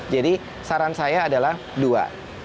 jadi saran saya adalah dua